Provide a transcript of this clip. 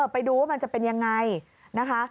ไปดูว่ามันจะเป็นยังไงนะคะ